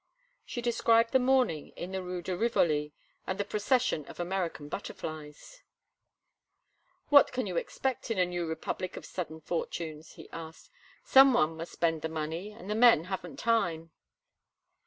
She described the morning in the Rue de Rivoli and the procession of American butterflies. "What can you expect in a new republic of sudden fortunes?" he asked. "Some one must spend the money, and the men haven't time."